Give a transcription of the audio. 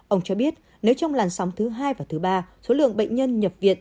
ông cho biết nếu trong làn sóng thứ hai và thứ ba số lượng bệnh nhân nhập viện